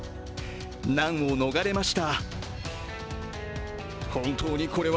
難を逃れました。